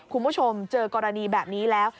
คุณผู้ชมเจอกรณีแบบนี้แล้ว